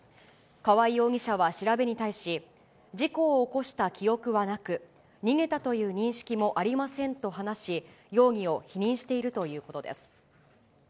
川合容疑者は調べに対し、事故を起こした記憶はなく、逃げたという認識もありませんと話し、容疑を否認しているということです。